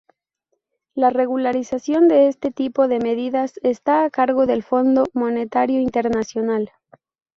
La regulación de este tipo de medidas está a cargo del Fondo Monetario Internacional.